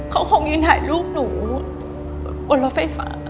เขาคงยืนถ่ายรูปหนูบนรถไฟฟ้า